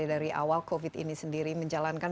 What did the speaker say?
dari awal covid ini sendiri menjalankan